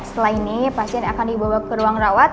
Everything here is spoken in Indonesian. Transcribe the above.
setelah ini pasien akan dibawa ke ruang rawat